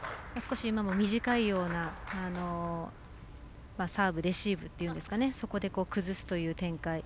少し今も短いようなサーブ、レシーブといいますかそこで崩すという展開。